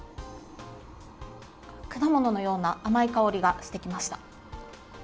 果物のような甘い香りがしてきました。